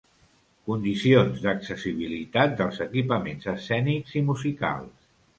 Condicions d'accessibilitat dels equipaments escènics i musicals.